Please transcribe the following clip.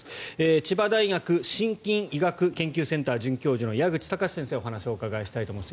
千葉大学真菌医学研究センター准教授の矢口貴志先生にお話をお伺いしたいと思います。